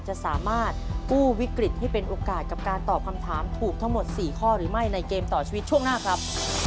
จะสามารถกู้วิกฤตให้เป็นโอกาสกับการตอบคำถามถูกทั้งหมด๔ข้อหรือไม่ในเกมต่อชีวิตช่วงหน้าครับ